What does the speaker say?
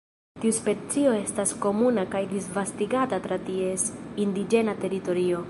Tiu specio estas komuna kaj disvastigata tra ties indiĝena teritorio.